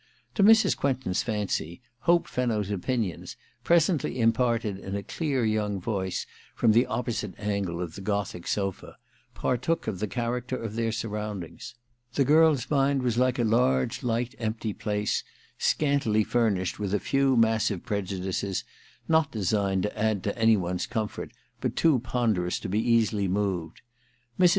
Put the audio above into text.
To Mrs. Quentin's fancy, Hope Fenno's opinions, presently imparted in a clear young voice from the opposite angle of the Gothic sofa, partook of the character of their surround f ings. The girl's mind was like a large light empty place, scantily furnished with a few massive prejudices, not designed to add to any one's comfort but too ponderous to be easily moved. Mrs.